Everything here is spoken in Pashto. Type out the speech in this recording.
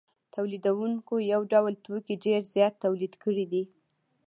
تولیدونکو یو ډول توکي ډېر زیات تولید کړي دي